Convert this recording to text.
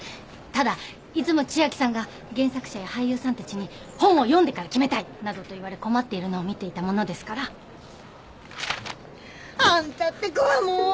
ただいつも千明さんが原作者や俳優さんたちに「本を読んでから決めたい」などと言われ困っているのを見ていたものですから。あんたって子はもう。